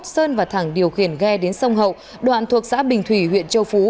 sơn và thẳng điều khiển ghe đến sông hậu đoạn thuộc xã bình thủy huyện châu phú